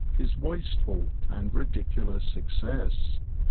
Is wasteful and ridiculous excess.